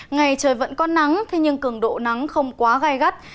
ngày trời vẫn có nắng thế nhưng cường độ nắng không quá gai gắt